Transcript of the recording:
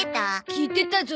聞いてたゾ。